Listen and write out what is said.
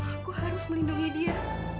aku harus melindungi dia